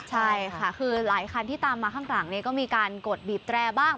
ใช่ค่ะคือหลายคันที่ตามมาข้างหลังนี้ก็มีการกดบีบแตรบ้าง